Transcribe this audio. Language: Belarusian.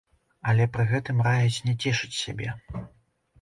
Але пры гэтым раяць не цешыць сябе.